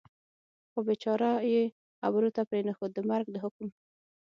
خو بېچاره یې خبرو ته پرېنښود، د مرګ د حکم.